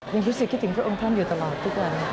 ยังรู้สึกคิดถึงพระองค์ท่านอยู่ตลอดทุกวัน